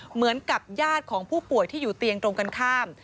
เหมือนกับญาติของผู้ป่วยที่อยู่เตียงตรงกันข้าม